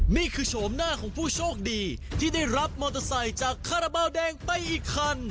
โฉมหน้าของผู้โชคดีที่ได้รับมอเตอร์ไซค์จากคาราบาลแดงไปอีกคัน